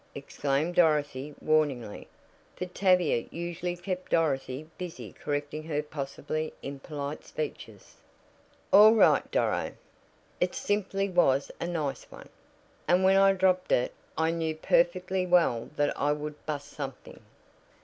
exclaimed Dorothy warningly, for Tavia usually kept Dorothy busy correcting her possibly impolite speeches. "All right, Doro. It simply was 'a nice one,' and when I dropped it I knew perfectly well that I would 'bust' something."